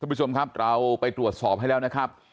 ผู้ชมครับเราไปตรวจสอบให้แล้วนะครับ